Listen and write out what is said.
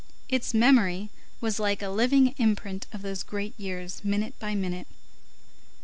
Its memory was like a living imprint of those great years, minute by minute.